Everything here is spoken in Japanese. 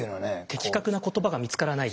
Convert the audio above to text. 的確な言葉が見つからないですよね。